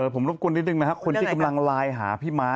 ผมรบกวนนิดนึงนะครับคนที่กำลังไลน์หาพี่ม้า